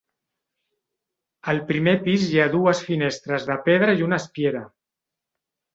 Al primer pis hi ha dues finestres de pedra i una espiera.